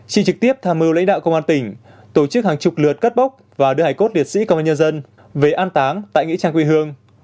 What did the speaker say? chị trực tiếp tham mưu lãnh đạo công an tỉnh tổ chức hàng chục lượt cất bốc và đưa hải cốt liệt sĩ công an nhân dân về an táng tại nghĩa trang quê hương